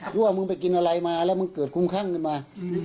หรือว่ามึงไปกินอะไรมาแล้วมันเกิดคุ้มข้างมา